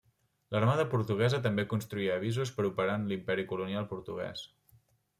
L'armada portuguesa també construïa avisos per operar en l'Imperi Colonial Portuguès.